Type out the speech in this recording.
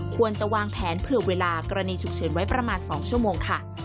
ควรจะวางแผนเผื่อเวลากรณีฉุกเฉินไว้ประมาณ๒ชั่วโมงค่ะ